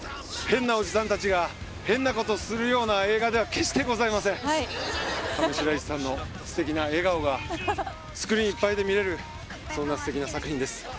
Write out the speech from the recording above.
変なおじさん達が変なことするような映画では決してございません上白石さんの素敵な笑顔がスクリーンいっぱいで見れるそんな素敵な作品です